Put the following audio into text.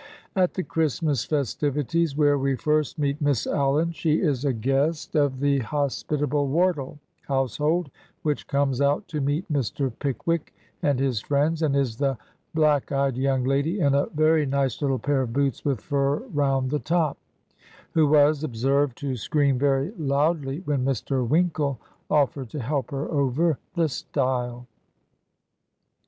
At the Christmas festivities, where we first meet Miss Allen, she is a guest 126 Digitized by VjOOQIC THE EARLIER HEROINES OF DICKENS of the hospitable Wardle household which comes out to meet Mr. Pickwick and his friends, and is " the black eyed young lady in a very nice Uttle pair of boots with fur rotmd the top/' who was " observed to scream very loud ly when Mr. Winkle oflFered to help her over" the stile.